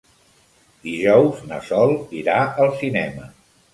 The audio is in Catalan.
Dijous na Sol irà al cinema.